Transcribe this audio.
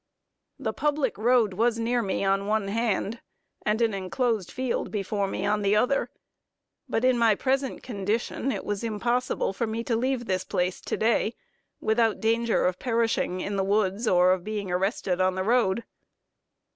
The public road was near me on one hand, and an enclosed field was before me on the other, but in my present condition it was impossible for me to leave this place to day, without danger of perishing in the woods, or of being arrested on the road.